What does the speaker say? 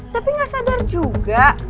tapi gak sadar juga